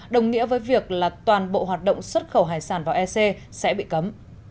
đồng nghĩa với việc là toàn bộ hoạt động xuất khẩu hải sản vào ec sẽ bị cấm